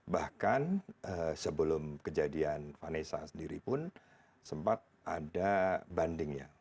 bahkan sebelum kejadian vanessa sendiri pun sempat ada bandingnya